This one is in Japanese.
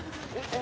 え？